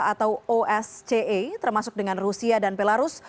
atau osce termasuk dengan rusia dan belarus